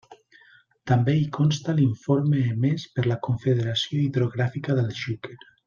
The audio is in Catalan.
També hi consta l'informe emés per la Confederació Hidrogràfica del Xúquer.